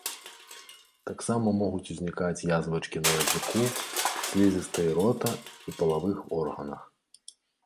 Таксама могуць узнікаць язвачкі на языку, слізістай рота і палавых органах.